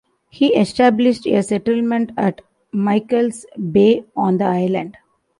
He established a settlement at Michael's Bay on the island.